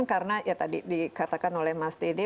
karena ya tadi dikatakan oleh mas dede